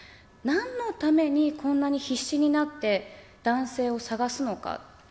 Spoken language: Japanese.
なんのためにこんなに必死になって男性をさがすのか。